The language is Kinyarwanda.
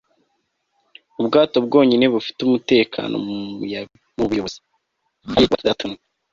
ubwato bwonyine bufite umutekano mu muyaga ni ubuyobozi. - faye wattleton